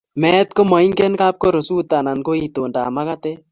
Meet komaingen kapkorosut anan ko itondab makatet.